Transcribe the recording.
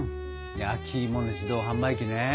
焼きいもの自動販売機ね。